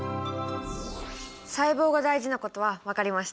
細胞が大事なことは分かりました。